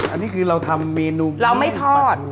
อันนี้คือเราทำเมนูเมี่ยงปลาทูเราไม่ทอด